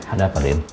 ada apa din